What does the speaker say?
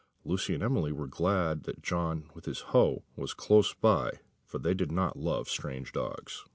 Lucy and Emily were glad that John, with his hoe, was close by, for they did not love strange dogs.